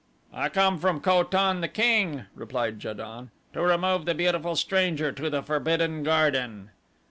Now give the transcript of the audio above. "I come from Ko tan, the king," replied Ja don, "to remove the beautiful stranger to the Forbidden Garden."